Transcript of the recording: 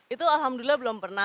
itu alhamdulillah belum pernah